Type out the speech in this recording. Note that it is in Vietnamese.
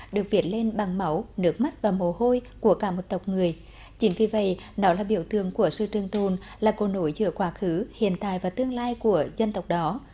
được viết lên bằng máu nước mắt và mồ hôi của cả một tộc người chính vì vậy nó là biểu tượng của sư trương thôn là cô nổi giữa quá khứ hiện tại và tương lai của dân tộc đó